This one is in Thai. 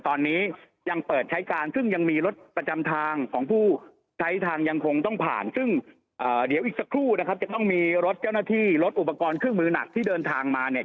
ตอนนี้ยังเปิดใช้การซึ่งยังมีรถประจำทางของผู้ใช้ทางยังคงต้องผ่านซึ่งเดี๋ยวอีกสักครู่นะครับจะต้องมีรถเจ้าหน้าที่รถอุปกรณ์เครื่องมือหนักที่เดินทางมาเนี่ย